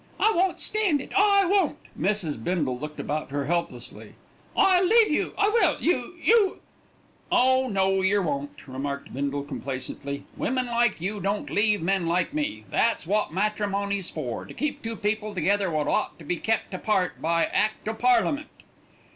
I won't stand it, I won't." Mrs. Bindle looked about her helplessly. "I'll leave you, I will, you you " "Oh no, yer won't," remarked Bindle complacently; "women like you don't leave men like me. That's wot matrimony's for, to keep two people together wot ought to be kept apart by Act o' Parliament."